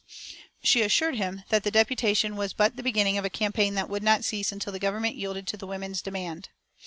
She assured him that the deputation was but the beginning of a campaign that would not cease until the Government yielded to the women's demand.